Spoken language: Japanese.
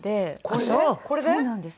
これで？